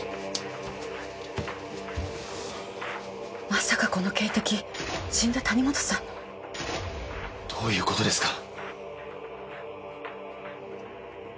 まさかこの警笛死んだ谷本さんの？どういう事ですか？